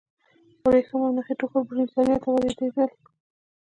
ورېښم او نخي ټوکر برېټانیا ته واردېدل.